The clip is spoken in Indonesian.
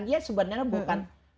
dia sebenarnya bukan